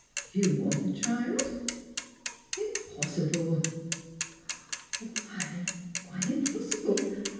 '' You want the child? Impossible! "" Why — impossible?